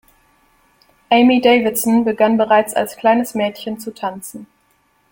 Amy Davidson begann bereits als kleines Mädchen zu tanzen.